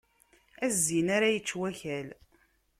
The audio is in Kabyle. A zzin ara yečč wakal!